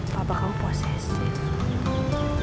papa kamu posesif